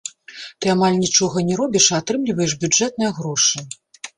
Ты амаль нічога не робіш, а атрымліваеш бюджэтныя грошы.